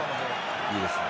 いいですね。